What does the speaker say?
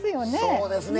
そうですね。